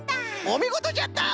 おみごとじゃった！